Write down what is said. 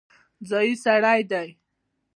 ځايي سړی دی.